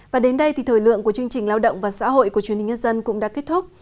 và đến đây thì thời lượng của chương trình lao động và xã hội của chương trình nhất dân cũng đã kết thúc